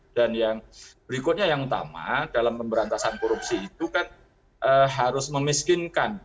dan yang berikutnya yang utama dalam pemberantasan korupsi itu kan harus memiskinkan